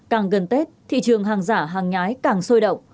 càng gần tết thị trường hàng giả hàng nhái càng sôi động